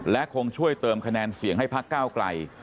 และคงช่วยเติมคะแนนเสียงให้พักก้าวไกล